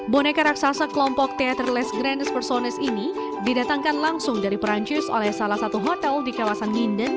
boneka raksasa kelompok teaterless grandes personis ini didatangkan langsung dari perancis oleh salah satu hotel di kawasan nginden